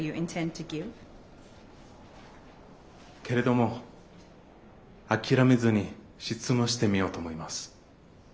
けれども諦めずに質問してみようと思います。